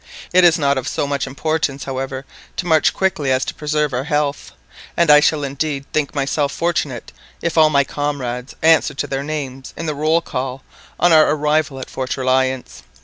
It is not of so much importance, however, to march quickly as to preserve our health, and I shall indeed think myself fortunate if all my comrades answer to their names in the roll call on our arrival at Fort Reliance.